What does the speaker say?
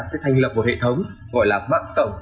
sẽ thành lập một hệ thống gọi là mạng tổng